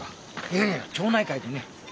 いやいや町内会でね。